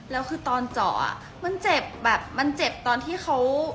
แล้วคือตอนเจาะมันเจ็บแบบมันเจ็บตอนที่เขา